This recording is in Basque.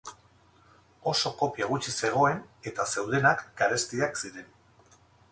Oso kopia gutxi zegoen, eta zeudenak garestiak ziren.